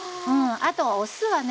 あとお酢はね